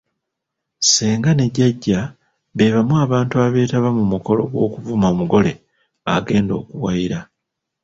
Ssenga ne Jjajja beebamu abantu abeetaba mu mukolo gw’okuvuma omugole agenda akuwayira.